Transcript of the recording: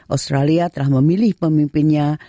australia telah memilih pemimpinnya